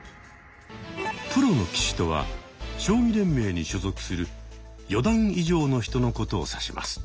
プロの棋士とは将棋連盟に所属する四段以上の人のことを指します。